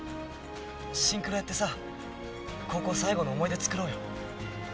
シンクロやってさ高校最後の思い出作ろうよ。